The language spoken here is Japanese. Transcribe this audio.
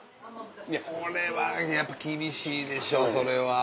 これはやっぱ厳しいでしょそれは。